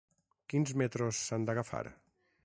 Quins metros s’han d’agafar?